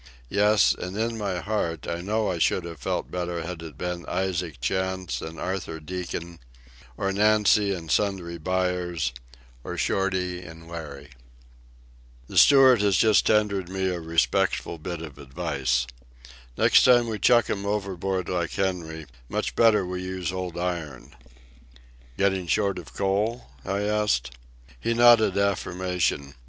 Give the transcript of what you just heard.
Yes, and in my heart I know I should have felt better had it been Isaac Chantz and Arthur Deacon, or Nancy and Sundry Buyers, or Shorty and Larry. The steward has just tendered me a respectful bit of advice. "Next time we chuck'm overboard like Henry, much better we use old iron." "Getting short of coal?" I asked. He nodded affirmation.